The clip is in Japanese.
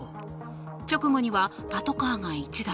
直後にはパトカーが１台。